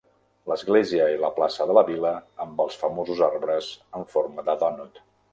L'església i la plaça de la vila, amb els famosos arbres en forma de dònut.